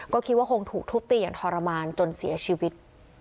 ก็คิดว่าคงถูกทุบตีอย่างทรมานจนเสียชีวิต